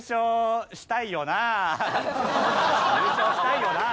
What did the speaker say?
優勝したいよな！